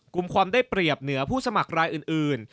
กลุ่มความได้เปรียบเหนือผู้สมัครรายอื่น